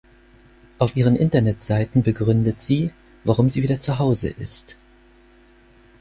Auf ihren Internetseiten begründet sie, warum sie wieder zu Hause ist.